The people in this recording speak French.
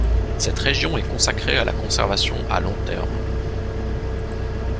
Cette région est consacrée à la conservation à long terme.